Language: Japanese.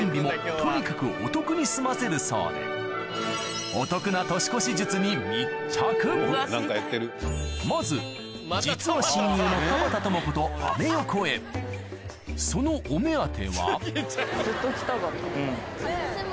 済ませるそうでまず実は親友の田畑智子とアメ横へそのお目当ては私も。